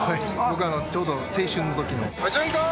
僕ちょうど青春の時の。